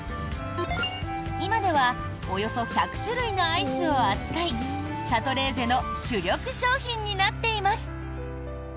今ではおよそ１００種類のアイスを扱いシャトレーゼの主力商品になっています。